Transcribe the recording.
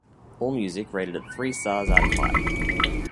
"AllMusic" rated it three stars out of five.